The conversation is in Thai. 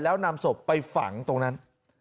แล้วนำศพไปฝังตรงนั้น